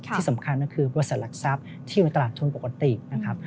ที่สำคัญก็คือบริษัทหลักทรัพย์ที่อยู่ในตลาดทุนปกตินะครับ